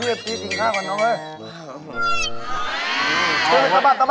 สมัครงานครับ